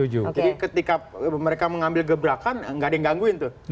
jadi ketika mereka mengambil gebrakan tidak ada yang mengganggu itu